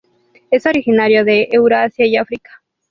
Es originario de Eurasia y África.